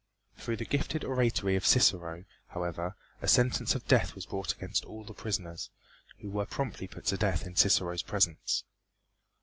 Through the gifted oratory of Cicero, however, a sentence of death was brought against all the prisoners, who were promptly put to death in Cicero's presence.